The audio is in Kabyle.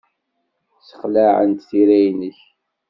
Ssexlaɛent tira-nnek.